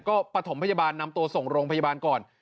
ก็ประถมพยาบาลนำตัวส่งโรงพยาบาลก่อน